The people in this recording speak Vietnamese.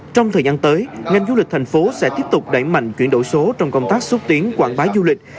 trong thời gian tới ngành du lịch thành phố sẽ tiếp tục đẩy mạnh chuyển đổi số trong công tác xúc tiến quảng bá du lịch